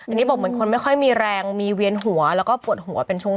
อันนี้บอกเหมือนคนไม่ค่อยมีแรงมีเวียนหัวแล้วก็ปวดหัวเป็นช่วง